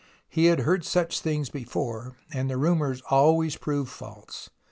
Fle had heard such things before, and the rumours always proved false.